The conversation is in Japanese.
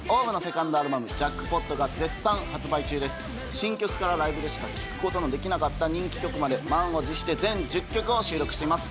新曲からライブでしか聴くことのできなかった人気曲まで満を持して全１０曲を収録しています